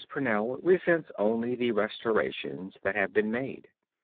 Pennell resents only the restorations that have been made.